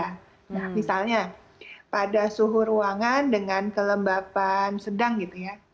nah misalnya pada suhu ruangan dengan kelembapan sedang gitu ya